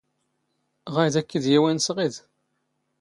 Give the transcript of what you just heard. ⵖⴰⵢⵏ ⴰⴷ ⴽ ⵉⴷ ⵢⵉⵡⵉⵏ ⵙ ⵖⵉⴷ?